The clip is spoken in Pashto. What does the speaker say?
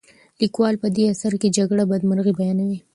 لیکوال په دې اثر کې د جګړې بدمرغۍ بیانوي.